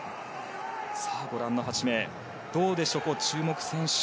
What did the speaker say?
ご覧の８名どうでしょう、注目選手。